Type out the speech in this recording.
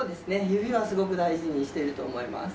指はすごく大事にしていると思います。